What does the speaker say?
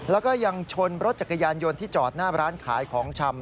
แล้วก็ยังชนรถจักรยานยนต์ที่จอดหน้าร้านขายของชำ